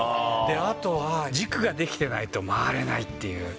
あとは、軸ができてないと回れないっていう。